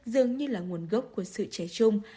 dường như là nguồn gốc của sự trẻ trung